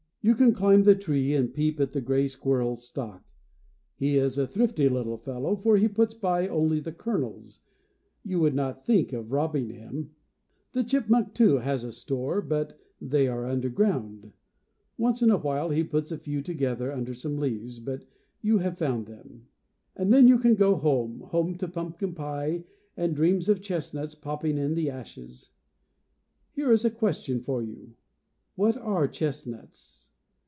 You can climb the tree and peep at the gray squirrel's stock. He is a thrifty little fellow, for he puts by only the kernels. You would not think of robbing him. The chipmunk, too, has a store, 4, Section OF A Bur i« but they are Underground. Once in a while, he puts a few to gether under some leaves; you may have found them. 69 And then you can go home, home to pumpkin pie, and dreams of chestnuts popping in the ashes. Here is a question for you. What are chestnuts?